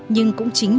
nhưng cũng chính là